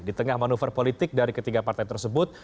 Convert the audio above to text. di tengah manuver politik dari ketiga partai tersebut